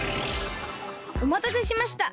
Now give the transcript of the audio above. おまたせしました。